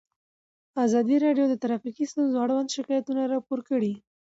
ازادي راډیو د ټرافیکي ستونزې اړوند شکایتونه راپور کړي.